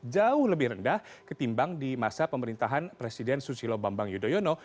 jauh lebih rendah ketimbang di masa pemerintahan presiden susilo bambang yudhoyono